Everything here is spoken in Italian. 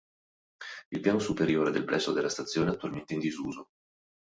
Il piano superiore del plesso della stazione è attualmente in disuso.